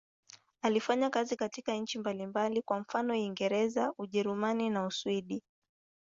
Alifanya kazi katika nchi mbalimbali, kwa mfano Uingereza, Ujerumani na Uswidi.